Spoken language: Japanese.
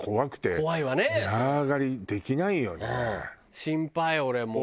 心配俺もう。